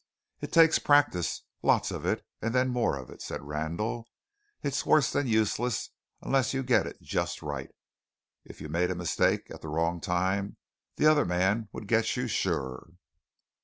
"It takes practice, lots of it, and then more of it," said Randall. "It's worse than useless unless you get it just right. If you made a mistake at the wrong time, the other man would get you sure."